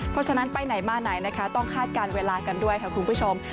เพราะฉะนั้นไปไหนมาไหนนะคะต้องคาดการณ์เวลากันด้วยค่ะคุณผู้ชม